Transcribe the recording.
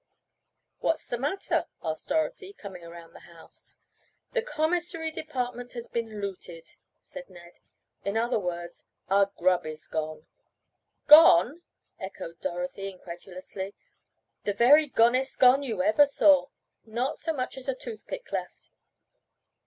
"What's the matter?" asked Dorothy, coming around the house. "The commissary department has been looted," said Ned. "In other words, our grub is gone." "Gone!" echoed Dorothy, incredulously. "The very gonest gone you ever saw. Not so much as a toothpick left."